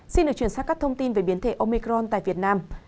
xin được chuyển sang các thông tin về biến thể omicron tại việt nam